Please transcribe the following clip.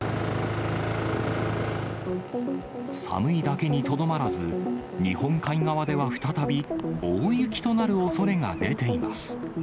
寒いだけにとどまらず、日本海側では再び、大雪となるおそれが出ています。